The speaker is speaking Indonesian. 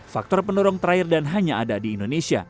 faktor penurun terakhir dan hanya ada di indonesia